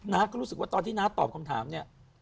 ้าก็รู้สึกว่าตอนที่น้าตอบคำถามเนี่ย